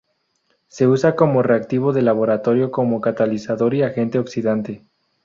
Se usa como reactivo de laboratorio como catalizador y agente oxidante.